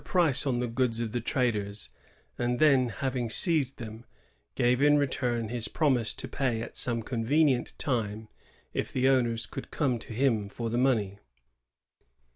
price on the goods of the traders, and then, having seized them, gave in retom his promise to pay at some convenient time if the owners would come to him for the money.